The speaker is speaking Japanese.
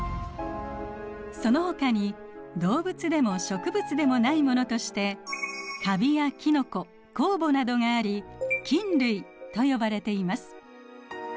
そのほかに動物でも植物でもないものとしてカビやキノコ酵母などがあり菌類と呼ばれています。